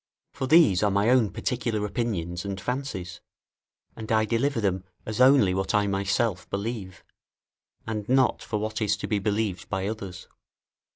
For these are my own particular opinions and fancies, and I deliver them as only what I myself believe, and not for what is to be believed by others.